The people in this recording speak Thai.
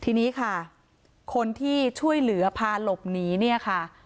ทีนี้ค่ะคนที่ช่วยเหลือพาหลบหนีเนี่ยค่ะ